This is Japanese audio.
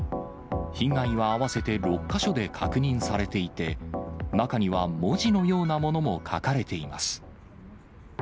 被害は合わせて６か所で確認されていて、中には、文字のようなものも書かれています。